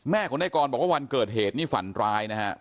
ของนายกรบอกว่าวันเกิดเหตุนี่ฝันร้ายนะฮะ